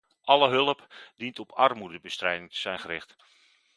Alle hulp dient op armoedebestrijding te zijn gericht.